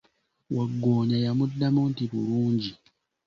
Waggoonya yamuddamu nti, bulungi.